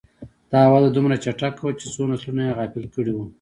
دا وده دومره چټکه وه چې څو نسلونه یې غافل کړي وو.